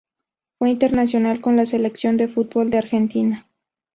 Fue internacional con la selección de fútbol de Argentina.